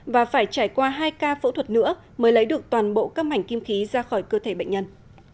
và phải trải qua hai ca phẫu thuật nữa mới lấy được toàn bộ các mảnh kim khí ra khỏi cơ thể bệnh nhân